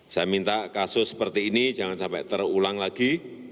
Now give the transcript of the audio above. saya minta kasus seperti ini jangan sampai terulang lagi